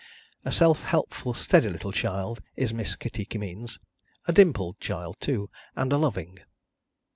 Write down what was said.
A self helpful steady little child is Miss Kitty Kimmeens: a dimpled child too, and a loving.